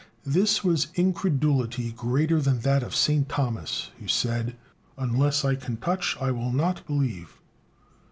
This was incredulity greater than that of St Thomas, who said: "Unless I can touch I will not believe."